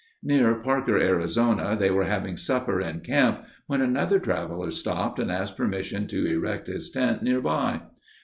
Near Parker, Arizona, they were having supper in camp when another traveler stopped and asked permission to erect his tent nearby.